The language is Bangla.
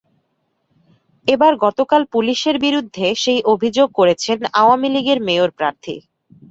এবার গতকাল পুলিশের বিরুদ্ধে সেই অভিযোগ করেছেন আওয়ামী লীগের মেয়র প্রার্থী।